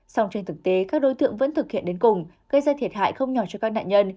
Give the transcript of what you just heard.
song trên thực tế các đối tượng vẫn thực hiện đến cùng gây ra thiệt hại không nhỏ cho các nạn nhân